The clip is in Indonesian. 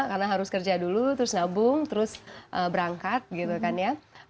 karena harus kerja dulu terus nabung terus berangkat gitu kan ya